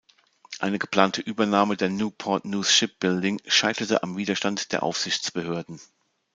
Eine geplante Übernahme der Newport News Shipbuilding scheiterte am Widerstand der Aufsichtsbehörden.